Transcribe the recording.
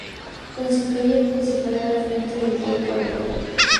Constituye el principal afluente del río Cabrera.